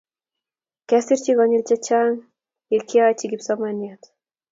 Kiaserchini konyil che chang' ya kiachi kipsomananiat